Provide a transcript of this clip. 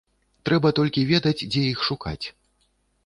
Трэба толькі ведаць, дзе іх шукаць.